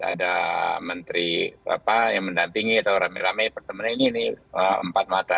ada menteri apa yang mendampingi atau rame rame pertemuan ini nih empat mata